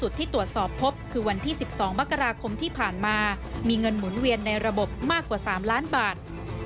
และมีเงินหมุนเวียนในระบบไม่ต่ำกว่าวันละ๒ล้านบาท